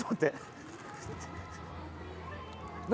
何？